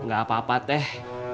gak apa apa teh